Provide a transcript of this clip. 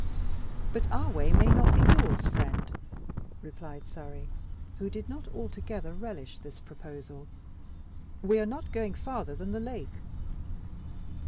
"But our way may not be yours, friend," replied Surrey, who did not altogether relish this proposal. "We are not going farther than the lake."